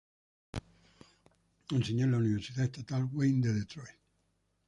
Enseñó en la Universidad Estatal Wayne de Detroit.